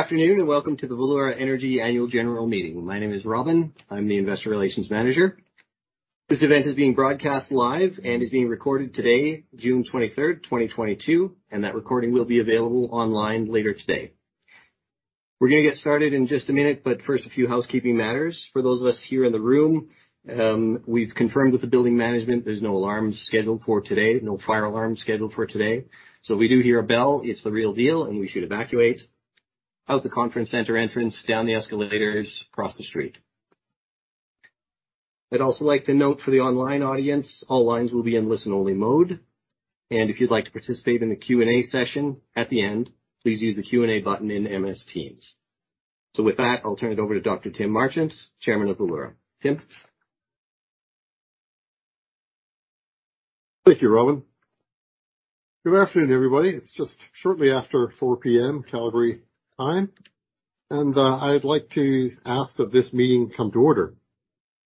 Good afternoon, welcome to the Valeura Energy Annual General Meeting. My name is Robin. I'm the Investor Relations Manager. This event is being broadcast live and is being recorded today, June 23rd, 2022, and that recording will be available online later today. We're gonna get started in just a minute, but first, a few housekeeping matters. For those of us here in the room, we've confirmed with the building management there's no alarms scheduled for today, no fire alarms scheduled for today. If we do hear a bell, it's the real deal, and we should evacuate out the conference center entrance, down the escalators, across the street. I'd also like to note for the online audience, all lines will be in listen-only mode, and if you'd like to participate in the Q&A session at the end, please use the Q&A button in Microsoft Teams. With that, I'll turn it over to Dr. Tim Marchant, Chairman of Valeura. Tim? Thank you, Robin. Good afternoon, everybody. It's just shortly after 4:00 P.M. Calgary time. I'd like to ask that this meeting come to order.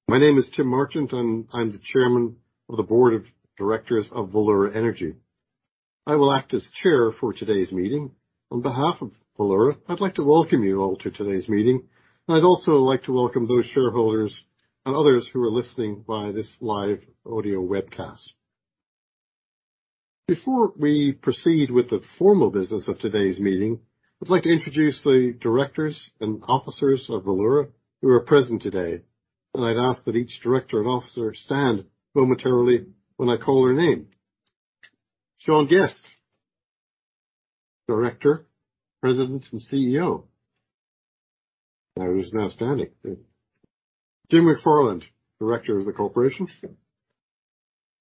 My name is Tim Marchant. I'm the Chairman of the board of directors of Valeura Energy. I will act as chair for today's meeting. On behalf of Valeura, I'd like to welcome you all to today's meeting. I'd also like to welcome those shareholders and others who are listening via this live audio webcast. Before we proceed with the formal business of today's meeting, I'd like to introduce the Directors and Officers of Valeura who are present today. I'd ask that each Director and Officer stand momentarily when I call their name. Sean Guest, Director, President, and CEO, who's now standing. Jim Jim McFarland, Director of the corporation.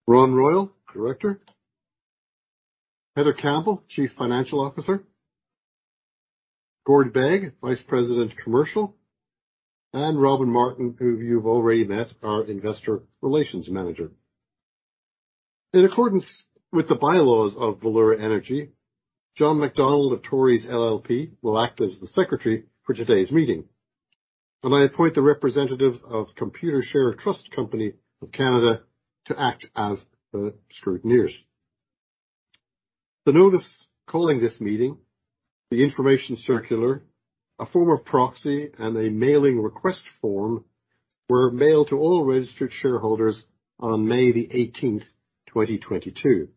Ron Royal, Director. Heather Campbell, Chief Financial Officer. Gord Begg, Vice President, Commercial, and Robin Martin, who you've already met, our Investor Relations Manager. In accordance with the bylaws of Valeura Energy, Jon McDonald of Torys LLP will act as the Secretary for today's meeting, and I appoint the representatives of Computershare Trust Company of Canada to act as the Scrutineers. The notice calling this meeting, the information circular, a form of proxy, and a mailing request form were mailed to all registered shareholders on May the 18th, 2022.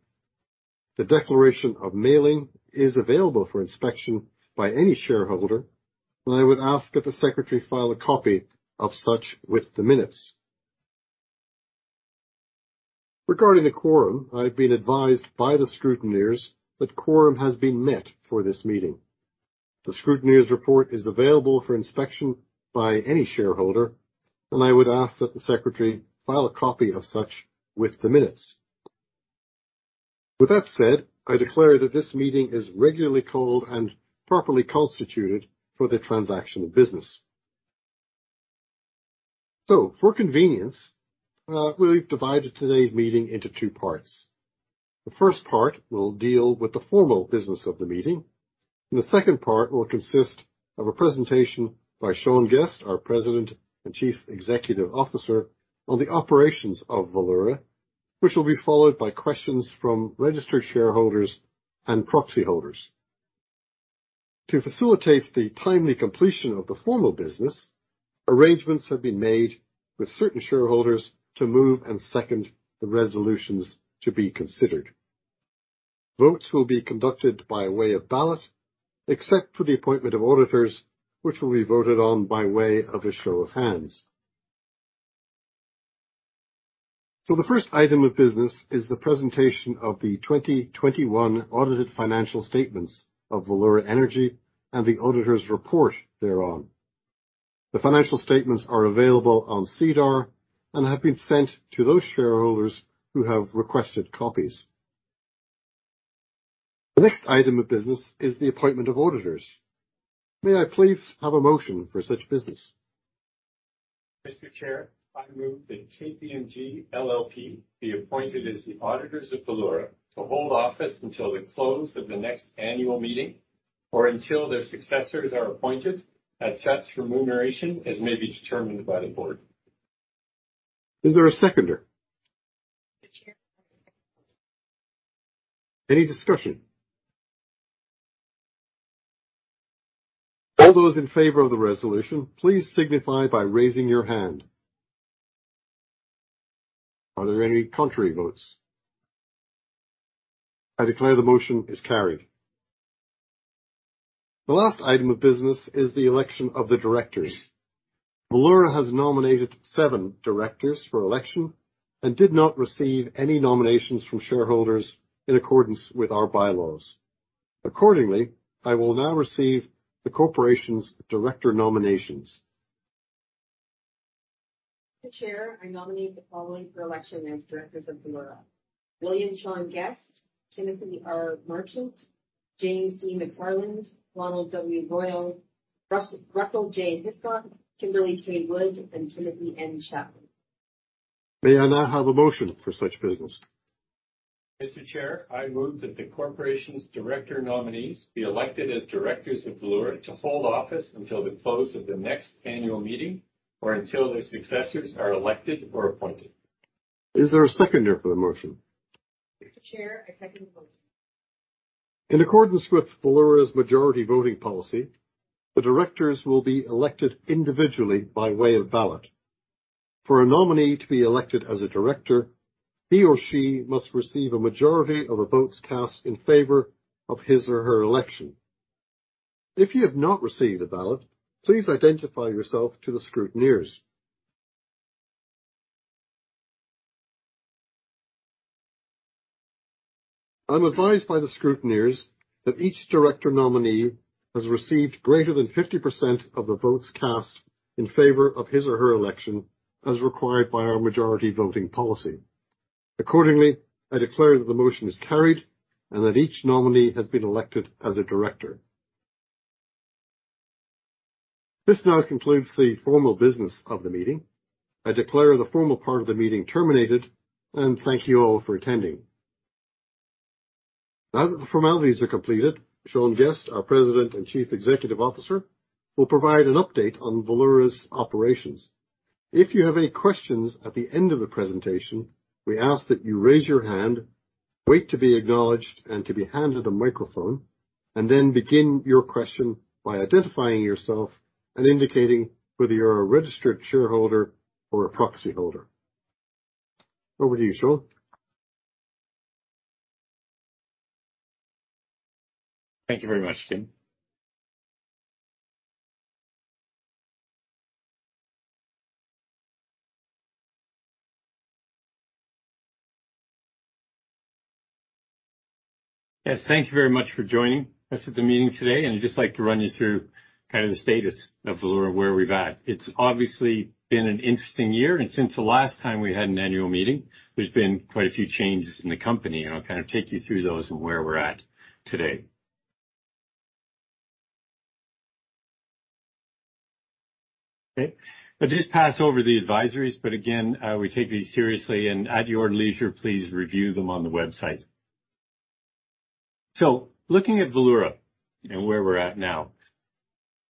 The declaration of mailing is available for inspection by any shareholder, and I would ask that the Secretary file a copy of such with the minutes. Regarding the quorum, I've been advised by the Scrutineers that quorum has been met for this meeting. The Scrutineers' report is available for inspection by any shareholder, and I would ask that the Secretary file a copy of such with the minutes. With that said, I declare that this meeting is regularly called and properly constituted for the transaction of business. For convenience, we've divided today's meeting into two parts. The first part will deal with the formal business of the meeting, and the second part will consist of a presentation by Sean Guest, our President and Chief Executive Officer, on the operations of Valeura, which will be followed by questions from registered shareholders and proxy holders. To facilitate the timely completion of the formal business, arrangements have been made with certain shareholders to move and second the resolutions to be considered. Votes will be conducted by way of ballot, except for the appointment of auditors, which will be voted on by way of a show of hands. The first item of business is the presentation of the 2021 audited financial statements of Valeura Energy and the auditors' report thereon. The financial statements are available on SEDAR and have been sent to those shareholders who have requested copies. The next item of business is the appointment of auditors. May I please have a motion for such business? Mr. Chair, I move that KPMG LLP be appointed as the auditors of Valeura to hold office until the close of the next annual meeting or until their successors are appointed at such remuneration as may be determined by the board. Is there a seconder? Mr. Chair, I second. Any discussion? All those in favor of the resolution, please signify by raising your hand. Are there any contrary votes? I declare the motion is carried. The last item of business is the election of the directors. Valeura has nominated seven directors for election and did not receive any nominations from shareholders in accordance with our bylaws. Accordingly, I will now receive the corporation's director nominations. Mr. Chair, I nominate the following for election as Directors of Valeura: William Sean Guest, Timothy R. Marchant, James D. McFarland, Ronald W. Royal, Russell J. Hiscock, Kimberley K. Wood, and Timothy N. Chapman. May I now have a motion for such business? Mr. Chair, I move that the corporation's director nominees be elected as directors of Valeura to hold office until the close of the next annual meeting or until their successors are elected or appointed. Is there a seconder for the motion? Mr. Chair, I second the motion. In accordance with Valeura Energy's majority voting policy, the directors will be elected individually by way of ballot. For a nominee to be elected as a director, he or she must receive a majority of the votes cast in favor of his or her election. If you have not received a ballot, please identify yourself to the scrutineers. I'm advised by the scrutineers that each director nominee has received greater than 50% of the votes cast in favor of his or her election, as required by our majority voting policy. Accordingly, I declare that the motion is carried and that each nominee has been elected as a director. This now concludes the formal business of the meeting. I declare the formal part of the meeting terminated, and thank you all for attending. Now that the formalities are completed, Sean Guest, our President and Chief Executive Officer, will provide an update on Valeura's operations. If you have any questions at the end of the presentation, we ask that you raise your hand, wait to be acknowledged and to be handed a microphone, and then begin your question by identifying yourself and indicating whether you're a registered shareholder or a proxy holder. Over to you, Sean. Thank you very much, Tim. Yes, thank you very much for joining us at the meeting today. I'd just like to run you through the status of Valeura and where we're at. It's obviously been an interesting year. Since the last time we had an annual meeting, there's been quite a few changes in the company. I'll take you through those and where we're at today. Okay. I'll just pass over the advisories, again, we take these seriously, at your leisure, please review them on the website. Looking at Valeura and where we're at now,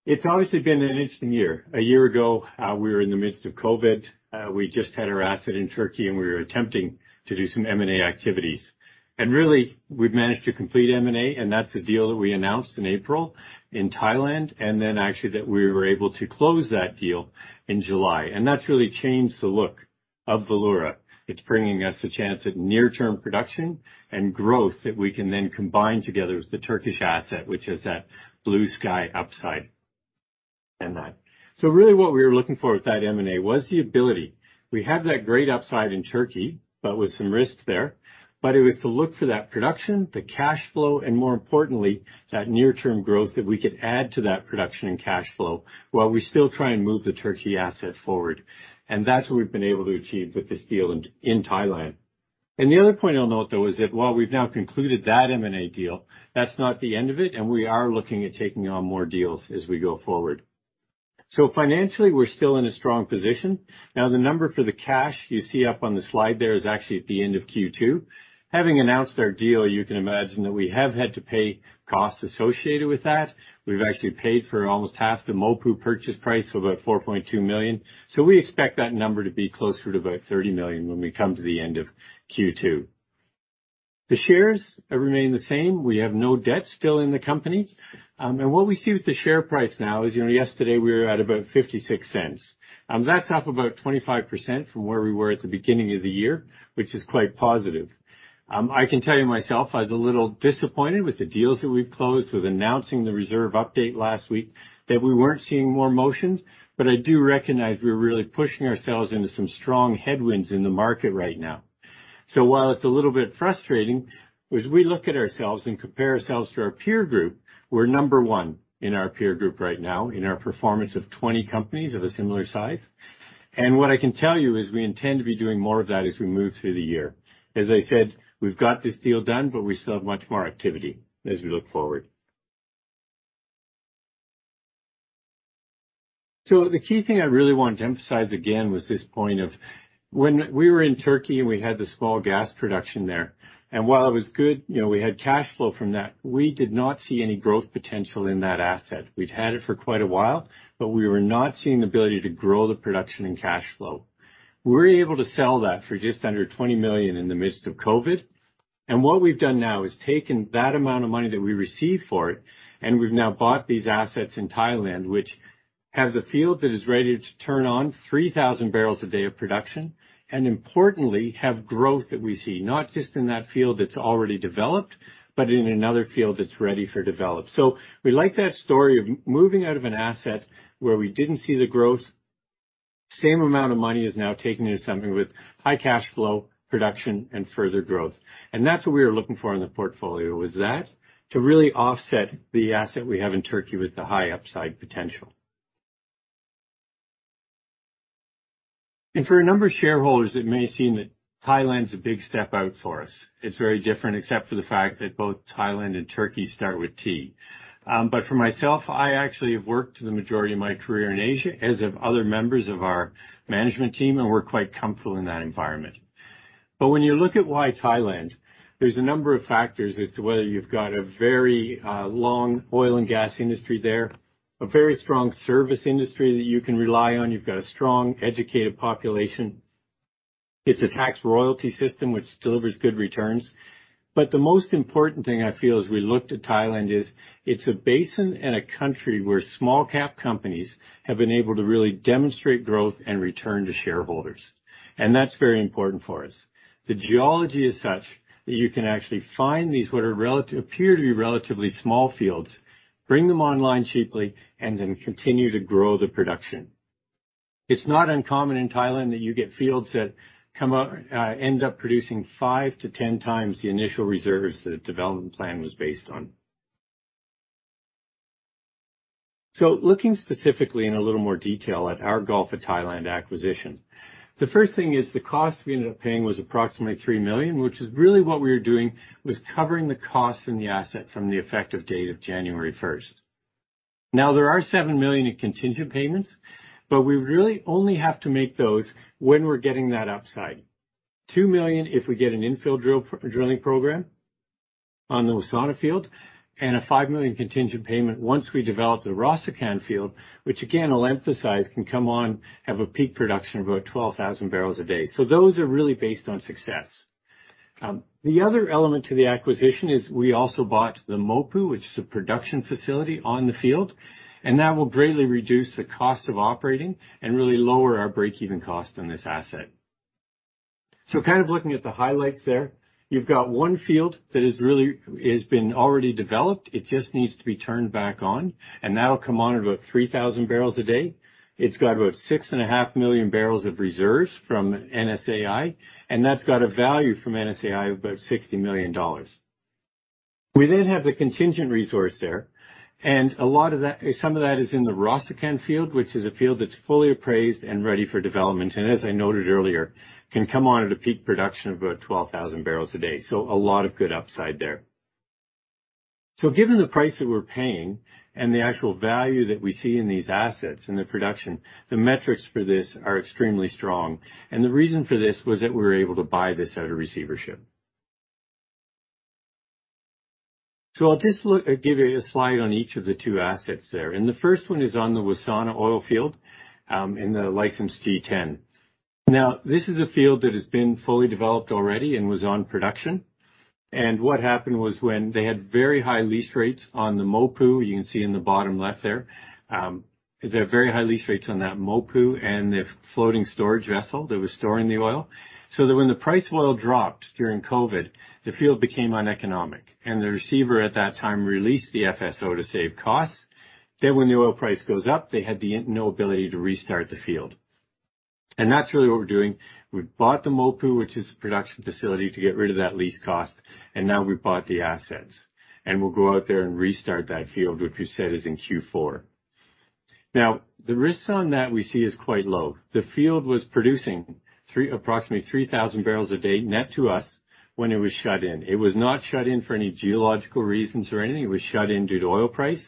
it's obviously been an interesting year. A year ago, we were in the midst of COVID. We just had our asset in Turkey, we were attempting to do some M&A activities. Really, we've managed to complete M&A, and that's the deal that we announced in April in Thailand, and then actually that we were able to close that deal in July. That's really changed the look of Valeura. It's bringing us the chance at near-term production and growth that we can then combine together with the Turkish asset, which is that blue-sky upside and that. Really what we were looking for with that M&A was the ability. We had that great upside in Turkey, but with some risks there. It was to look for that production, the cash flow, and more importantly, that near-term growth that we could add to that production and cash flow while we still try and move the Turkey asset forward. That's what we've been able to achieve with this deal in Thailand. The other point I'll note, though, is that while we've now concluded that M&A deal, that's not the end of it, and we are looking at taking on more deals as we go forward. Financially, we're still in a strong position. The number for the cash you see up on the slide there is actually at the end of Q2. Having announced our deal, you can imagine that we have had to pay costs associated with that. We've actually paid for almost half the MOPU purchase price of about 4.2 million. We expect that number to be closer to about 30 million when we come to the end of Q2. The shares remain the same. We have no debt still in the company. What we see with the share price now is, yesterday we were at about 0.56. That's up about 25% from where we were at the beginning of the year, which is quite positive. I can tell you myself, I was a little disappointed with the deals that we've closed, with announcing the reserve update last week, that we weren't seeing more motion. I do recognize we're really pushing ourselves into some strong headwinds in the market right now. While it's a little bit frustrating, as we look at ourselves and compare ourselves to our peer group, we're number one in our peer group right now in our performance of 20 companies of a similar size. What I can tell you is we intend to be doing more of that as we move through the year. As I said, we've got this deal done, but we still have much more activity as we look forward. The key thing I really wanted to emphasize again was this point of when we were in Turkey and we had the small gas production there, and while it was good, we had cash flow from that, we did not see any growth potential in that asset. We'd had it for quite a while, but we were not seeing the ability to grow the production and cash flow. We were able to sell that for just under 20 million in the midst of COVID. What we've done now is taken that amount of money that we received for it, and we've now bought these assets in Thailand, which has a field that is ready to turn on 3,000 bbl a day of production, and importantly, have growth that we see, not just in that field that's already developed, but in another field that's ready for development. We like that story of moving out of an asset where we didn't see the growth. Same amount of money is now taken into something with high cash flow, production, and further growth. That's what we were looking for in the portfolio, was that to really offset the asset we have in Turkey with the high upside potential. For a number of shareholders, it may seem that Thailand's a big step out for us. It's very different, except for the fact that both Thailand and Turkey start with T. For myself, I actually have worked the majority of my career in Asia, as have other members of our management team, and we're quite comfortable in that environment. When you look at why Thailand, there's a number of factors as to whether you've got a very long oil and gas industry there. A very strong service industry that you can rely on. You've got a strong, educated population. It's a tax royalty system which delivers good returns. The most important thing I feel as we looked at Thailand is, it's a basin and a country where small cap companies have been able to really demonstrate growth and return to shareholders. That's very important for us. The geology is such that you can actually find these, what appear to be relatively small fields, bring them online cheaply, and then continue to grow the production. It's not uncommon in Thailand that you get fields that end up producing five to 10 times the initial reserves that a development plan was based on. Looking specifically in a little more detail at our Gulf of Thailand acquisition, the first thing is the cost we ended up paying was approximately 3 million, which is really what we were doing, was covering the costs and the asset from the effective date of January 1st. There are 7 million in contingent payments, but we really only have to make those when we're getting that upside. 2 million if we get an infill drilling program on the Wassana field, and a 5 million contingent payment once we develop the Rossukon field, which again, I'll emphasize, can come on, have a peak production of about 12,000 bbl a day. Those are really based on success. The other element to the acquisition is we also bought the MOPU, which is a production facility on the field, that will greatly reduce the cost of operating and really lower our breakeven cost on this asset. Looking at the highlights there, you've got one field that has been already developed. It just needs to be turned back on, that'll come on at about 3,000 bbl a day. It's got about 6.5 million bbl of reserves from NSAI, that's got a value from NSAI of about 60 million dollars. We have the contingent resource there, some of that is in the Rossukon field, which is a field that's fully appraised and ready for development. As I noted earlier, can come on at a peak production of about 12,000 bbl a day. A lot of good upside there. Given the price that we're paying and the actual value that we see in these assets and the production, the metrics for this are extremely strong. The reason for this was that we were able to buy this out of receivership. I'll just give you a slide on each of the two assets there, and the first one is on the Wassana oil field, in the license T10. This is a field that has been fully developed already and was on production. What happened was when they had very high lease rates on the MOPU, you can see in the bottom left there, they had very high lease rates on that MOPU and the floating storage vessel that was storing the oil. When the price of oil dropped during COVID, the field became uneconomic, and the receiver at that time released the FSO to save costs. When the oil price goes up, they had no ability to restart the field. That's really what we're doing. We've bought the MOPU, which is the production facility, to get rid of that lease cost, and now we've bought the assets. We'll go out there and restart that field, which we've said is in Q4. The risks on that we see is quite low. The field was producing approximately 3,000 barrels a day net to us when it was shut in. It was not shut in for any geological reasons or anything. It was shut in due to oil price.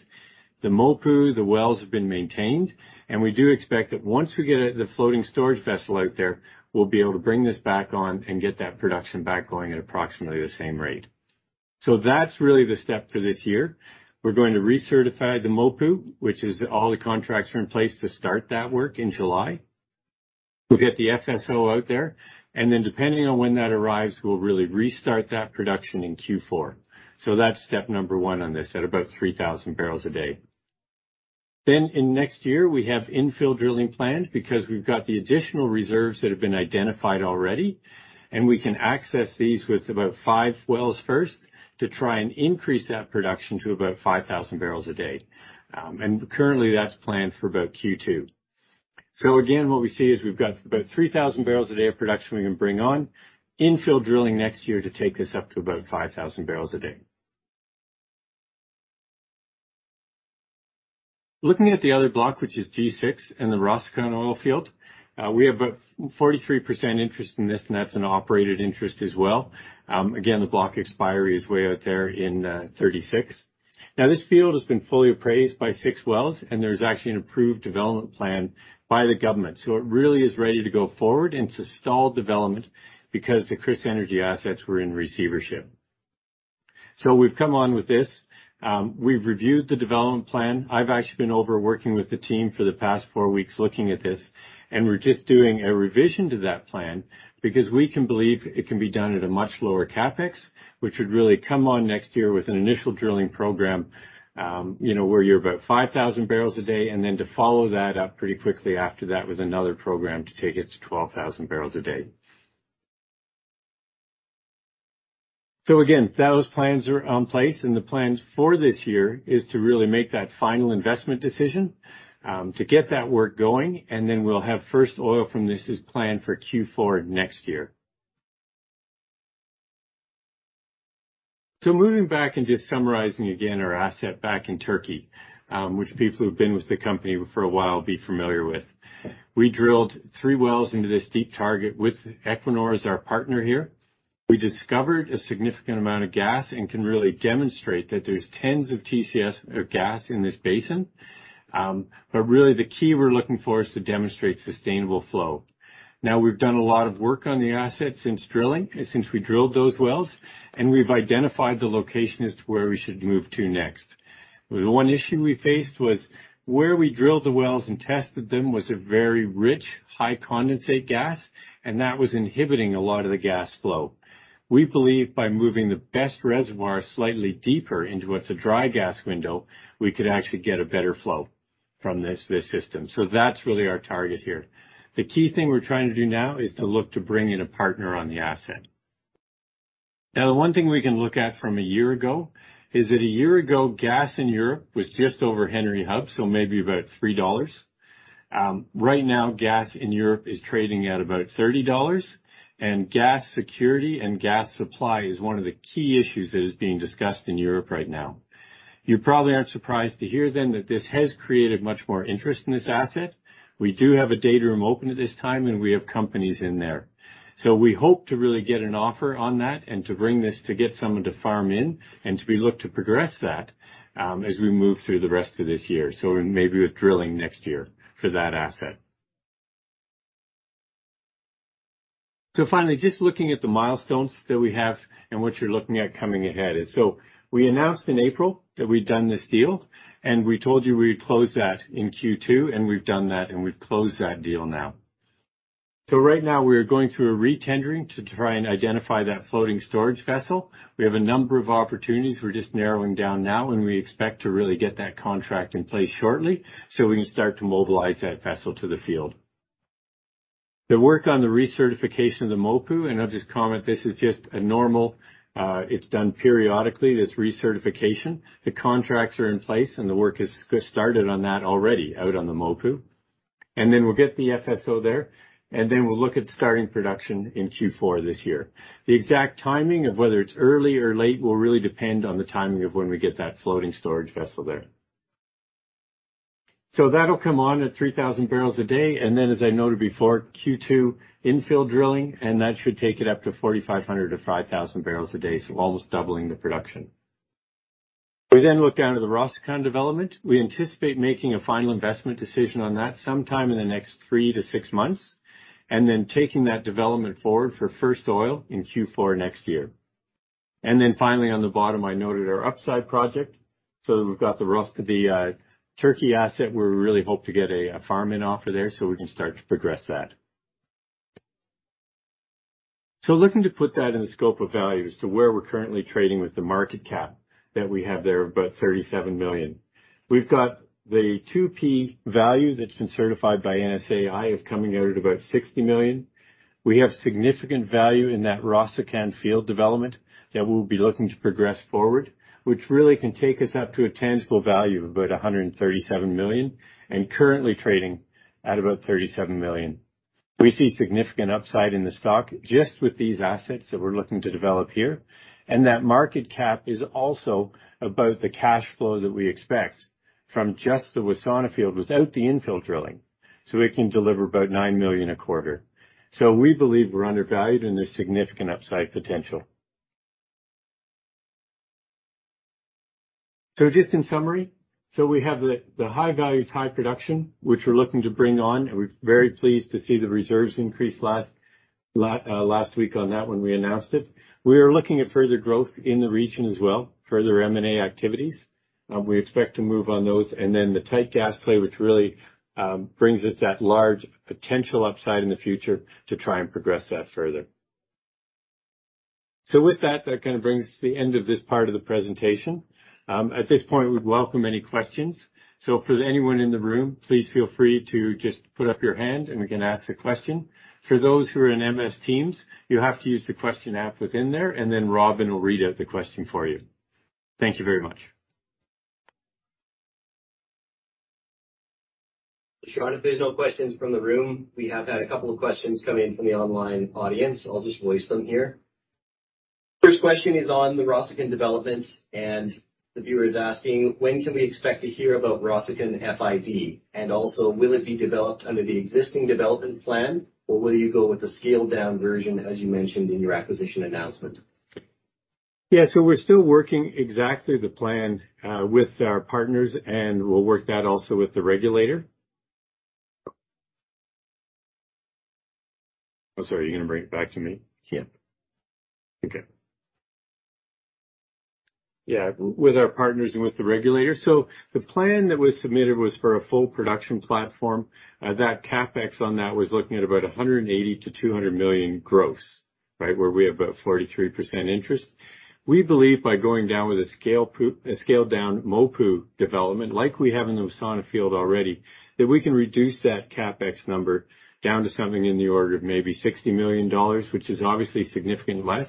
The MOPU, the wells have been maintained, and we do expect that once we get the floating storage vessel out there, we'll be able to bring this back on and get that production back going at approximately the same rate. That's really the step for this year. We're going to recertify the MOPU, which is all the contracts are in place to start that work in July. We'll get the FSO out there, and then depending on when that arrives, we'll really restart that production in Q4. That's step one on this at about 3,000 bbl a day. In next year, we have infill drilling planned because we've got the additional reserves that have been identified already, and we can access these with about five wells first to try and increase that production to about 5,000 bbl a day. Currently that's planned for about Q2. Again, what we see is we've got about 3,000 bbl a day of production we can bring on, infill drilling next year to take us up to about 5,000 bbl a day. Looking at the other block, which is T6 and the Rossukon oil field, we have about 43% interest in this. That's an operated interest as well. Again, the block expiry is way out there in 2036. Now this field has been fully appraised by six wells. There's actually an approved development plan by the government. It really is ready to go forward into stalled development because the KrisEnergy assets were in receivership. We've come on with this. We've reviewed the development plan. I've actually been over working with the team for the past four weeks looking at this. We're just doing a revision to that plan because we can believe it can be done at a much lower CapEx, which would really come on next year with an initial drilling program, where you're about 5,000 barrels a day. To follow that up pretty quickly after that with another program to take it to 12,000 bbl a day. Again, those plans are in place and the plans for this year is to really make that final investment decision, to get that work going, and then we'll have first oil from this is planned for Q4 next year. Moving back and just summarizing again our asset back in Turkey, which people who've been with the company for a while will be familiar with. We drilled three wells into this deep target with Equinor as our partner here. We discovered a significant amount of gas and can really demonstrate that there's tens of TCF of gas in this basin. Really the key we're looking for is to demonstrate sustainable flow. Now, we've done a lot of work on the asset since we drilled those wells, and we've identified the location as to where we should move to next. The one issue we faced was where we drilled the wells and tested them was a very rich, high condensate gas, and that was inhibiting a lot of the gas flow. We believe by moving the best reservoir slightly deeper into what's a dry gas window, we could actually get a better flow from this system. That's really our target here. The key thing we're trying to do now is to look to bring in a partner on the asset. The one thing we can look at from a year ago is that a year ago, gas in Europe was just over Henry Hub, so maybe about $3. Right now, gas in Europe is trading at about $30, and gas security and gas supply is one of the key issues that is being discussed in Europe right now. You probably aren't surprised to hear then, that this has created much more interest in this asset. We do have a data room open at this time, and we have companies in there. We hope to really get an offer on that and to bring this to get someone to farm in, and to be looked to progress that, as we move through the rest of this year, so maybe with drilling next year for that asset. Finally, just looking at the milestones that we have and what you're looking at coming ahead is we announced in April that we'd done this deal, and we told you we'd close that in Q2, and we've done that, and we've closed that deal now. Right now we are going through a retendering to try and identify that floating storage vessel. We have a number of opportunities we're just narrowing down now, and we expect to really get that contract in place shortly so we can start to mobilize that vessel to the field. The work on the recertification of the MOPU, and I'll just comment, this is just a normal, it's done periodically, this recertification. The contracts are in place and the work has started on that already out on the MOPU. Then we'll get the FSO there, then we'll look at starting production in Q4 this year. The exact timing of whether it's early or late will really depend on the timing of when we get that floating storage vessel there. That'll come on at 3,000 barrels a day, and then, as I noted before, Q2 infill drilling, and that should take it up to 4,500-5,000 bbl a day, so almost doubling the production. We then look down to the Rossukon development. We anticipate making a final investment decision on that sometime in the next three to six months, then taking that development forward for first oil in Q4 next year. Then finally on the bottom, I noted our upside project, so that we've got the Turkey asset where we really hope to get a farming offer there so we can start to progress that. Looking to put that in the scope of values to where we're currently trading with the market cap that we have there of about 37 million. We've got the 2P value that's been certified by NSAI of coming out at about 60 million. We have significant value in that Wassana field development that we'll be looking to progress forward, which really can take us up to a tangible value of about 137 million, and currently trading at about 37 million. We see significant upside in the stock just with these assets that we're looking to develop here, and that market cap is also about the cash flow that we expect from just the Wassana field without the infill drilling. It can deliver about 9 million a quarter. We believe we're undervalued, and there's significant upside potential. Just in summary, we have the high value, tight production, which we're looking to bring on, and we're very pleased to see the reserves increase last week on that when we announced it. We are looking at further growth in the region as well, further M&A activities. We expect to move on those. The tight gas play, which really brings us that large potential upside in the future to try and progress that further. With that kind of brings us to the end of this part of the presentation. At this point, we'd welcome any questions. For anyone in the room, please feel free to just put up your hand, and we can ask the question. For those who are in MS Teams, you have to use the question app within there, and then Robin will read out the question for you. Thank you very much. Sean, if there's no questions from the room, we have had a couple of questions come in from the online audience. I'll just voice them here. First question is on the Rossukon development, and the viewer is asking, "When can we expect to hear about Rossukon FID? And also, will it be developed under the existing development plan, or will you go with the scaled-down version as you mentioned in your acquisition announcement? Yeah. We're still working exactly the plan, with our partners, and we'll work that also with the regulator. Oh, sorry. You gonna bring it back to me? Yeah. Okay. Yeah. With our partners and with the regulator. The plan that was submitted was for a full production platform. That CapEx on that was looking at about 180 million-200 million gross, right. Where we have about 43% interest. We believe by going down with a scaled-down MOPU development, like we have in the Wassana field already, that we can reduce that CapEx number down to something in the order of maybe 60 million dollars, which is obviously significantly less.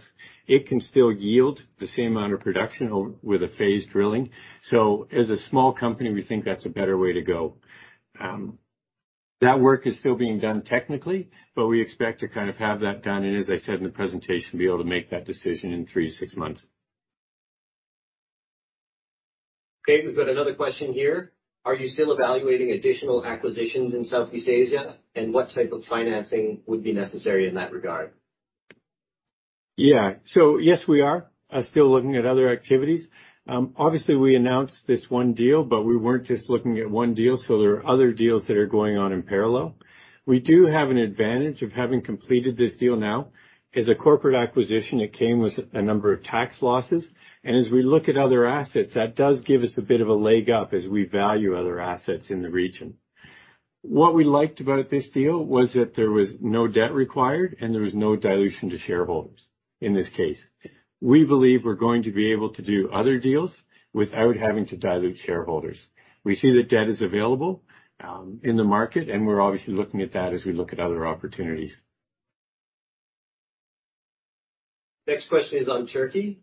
It can still yield the same amount of production with a phased drilling. As a small company, we think that's a better way to go. That work is still being done technically, but we expect to kind of have that done, and as I said in the presentation, be able to make that decision in three to six months. Okay. We've got another question here. Are you still evaluating additional acquisitions in Southeast Asia? What type of financing would be necessary in that regard? Yeah. Yes, we are still looking at other activities. Obviously, we announced this one deal, but we weren't just looking at one deal, so there are other deals that are going on in parallel. We do have an advantage of having completed this deal now. As a corporate acquisition, it came with a number of tax losses, and as we look at other assets, that does give us a bit of a leg up as we value other assets in the region. What we liked about this deal was that there was no debt required, and there was no dilution to shareholders in this case. We believe we're going to be able to do other deals without having to dilute shareholders. We see that debt is available, in the market, and we're obviously looking at that as we look at other opportunities. Next question is on Turkey.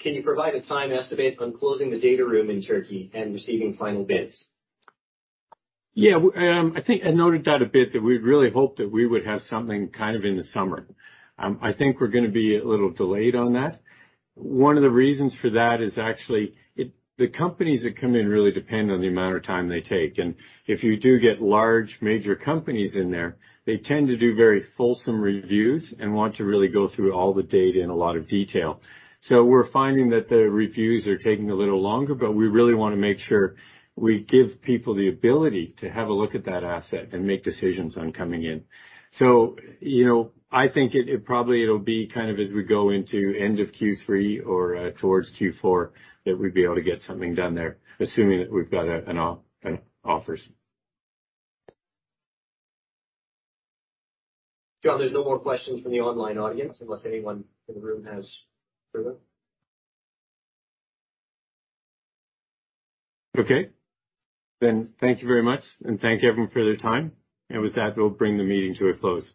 Can you provide a time estimate on closing the data room in Turkey and receiving final bids? Yeah. I think I noted that a bit, that we'd really hoped that we would have something kind of in the summer. I think we're going to be a little delayed on that. One of the reasons for that is actually the companies that come in really depend on the amount of time they take. If you do get large, major companies in there, they tend to do very fulsome reviews and want to really go through all the data in a lot of detail. We're finding that the reviews are taking a little longer, but we really want to make sure we give people the ability to have a look at that asset and make decisions on coming in. I think probably it'll be as we go into end of Q3 or towards Q4 that we'd be able to get something done there, assuming that we've got offers. Sean, there's no more questions from the online audience, unless anyone in the room has further. Okay. Thank you very much, and thank you, everyone, for their time. With that, we'll bring the meeting to a close.